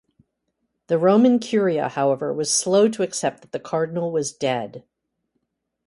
The Roman curia, however, was slow to accept that the cardinal was dead.